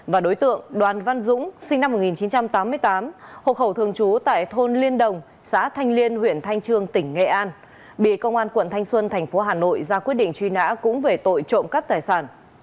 và đối tượng đoàn văn dũng sinh năm một nghìn chín trăm tám mươi tám hộ khẩu thường trú tại thôn liên đồng xã thanh liên huyện thanh trương tỉnh nghệ an bị công an quận thanh xuân thành phố hà nội ra quyết định truy nã cũng về tội trộm cắp tài sản